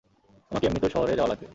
আমাকে এমনিতেও শহরে যাওয়া লাগবে।